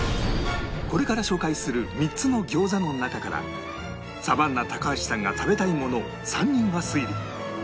これから紹介する３つの餃子の中からサバンナ高橋さんが食べたいものを３人が推理